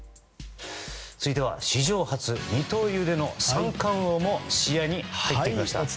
続いては史上初二刀流での三冠王も視野に入ってきました。